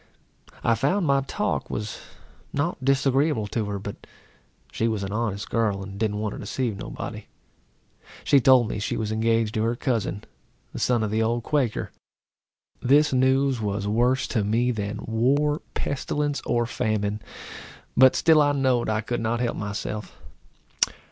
I found my talk was not disagreeable to her; but she was an honest girl, and didn't want to deceive nobody. She told me she was engaged to her cousin, a son of the old Quaker. This news was worse to me than war, pestilence, or famine; but still I knowed I could not help myself.